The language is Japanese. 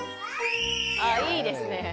あいいですね。